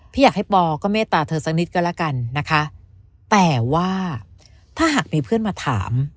อยากให้ปอก็เมตตาเธอสักนิดก็แล้วกันนะคะแต่ว่าถ้าหากมีเพื่อนมาถาม